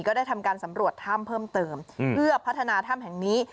ได้ทำการสำรวจถ้ำเพิ่มเติมเพื่อพัฒนาถ้ำแห่งนี้